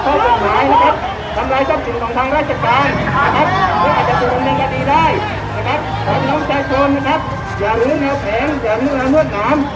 ขออนุญาตชาติชนก้าอยู่ในแผงอย่าเหมือนกับมือหนาม